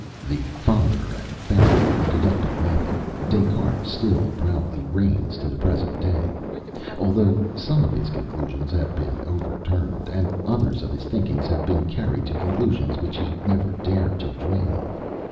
The father and founder of the deductive method, Des Cartes still proudly reigns to the present day, although some of his conclusions have been over turned, and others of his thinkings have been carried to conclusions which he never dared to dream of.